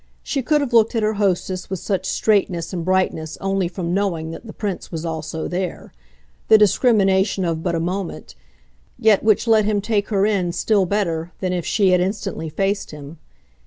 She could have looked at her hostess with such straightness and brightness only from knowing that the Prince was also there the discrimination of but a moment, yet which let him take her in still better than if she had instantly faced him.